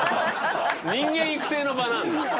人間育成の場なんだ？